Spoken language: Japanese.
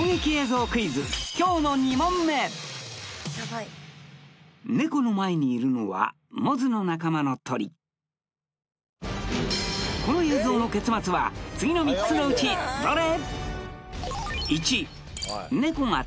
今日の２問目猫の前にいるのはモズの仲間の鳥次の３つのうちどれ？